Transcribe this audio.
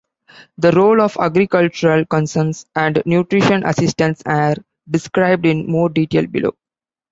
The role of agricultural concerns and nutrition assistance are described in more detail below.